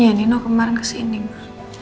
iya nino kemarin kesini ma